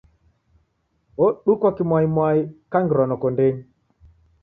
Odukwa kimwaimwai kangirwa noko ndenyi.